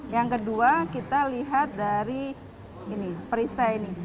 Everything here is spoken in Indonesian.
yang kedua kita lihat dari perisai ini